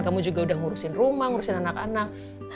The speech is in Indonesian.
kamu juga udah ngurusin rumah ngurusin anak anak